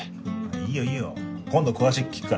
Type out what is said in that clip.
いいよいいよ今度詳しく聞くから。